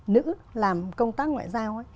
nữ làm công tác ngoại giao